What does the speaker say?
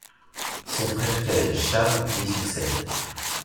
Son frère cadet Charles lui succède.